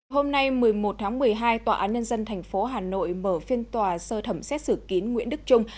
hôm nay một mươi một tháng một mươi hai tòa án nhân dân tp hà nội mở phiên tòa sơ thẩm xét xử kín nguyễn đức trung